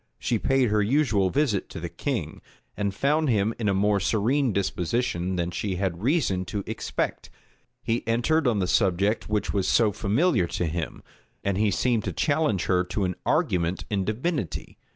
She paid her usual visit to the king, and found him in a more serene disposition than she had reason to expect. He entered on the subject which was so familiar to him; and he seemed to challenge her to an argument in divinity.